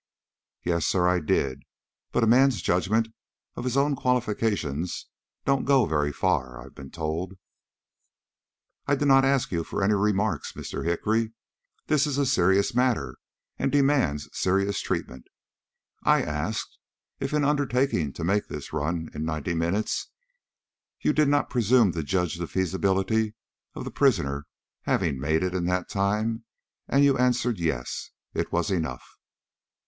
"Yes, sir, I did; but a man's judgment of his own qualifications don't go very far, I've been told." "I did not ask you for any remarks, Mr. Hickory. This is a serious matter and demands serious treatment. I asked if in undertaking to make this run in ninety minutes you did not presume to judge of the feasibility of the prisoner having made it in that time, and you answered, 'Yes.' It was enough."